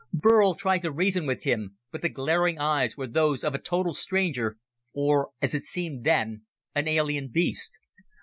Burl tried to reason with him, but the glaring eyes were those of a total stranger, or, as it seemed then, an alien beast.